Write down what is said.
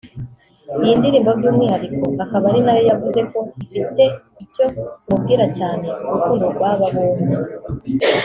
Iyi ndirimbo by’umwihariko akaba ari nayo yavuze ko ifite icyo imubwira cyane ku rukundo rw’aba bombi